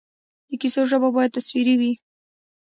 د کیسو ژبه باید تصویري وي.